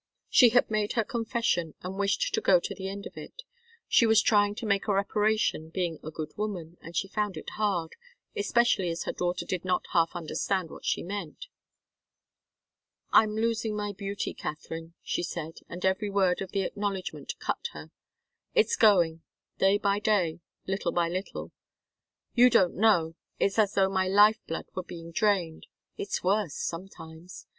She had made her confession and wished to go to the end of it. She was trying to make a reparation, being a good woman, and she found it hard, especially as her daughter did not half understand what she meant. "I'm losing my beauty, Katharine," she said, and every word of the acknowledgment cut her. "It's going, day by day, little by little. You don't know it's as though my life blood were being drained it's worse sometimes.